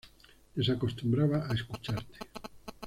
Desacostumbrada a escucharte.